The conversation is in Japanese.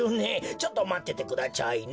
ちょっとまっててくだちゃいね。